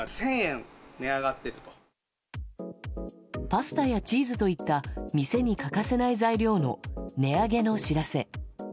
パスタやチーズといった店に欠かせない材料の値上げの知らせ。